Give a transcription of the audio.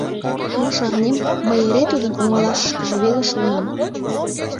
Мо шарнем, мый эре тудын оҥылашышкыже веле шуынам.